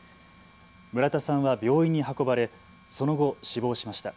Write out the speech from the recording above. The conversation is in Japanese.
村田さんは病院に運ばれその後、死亡しました。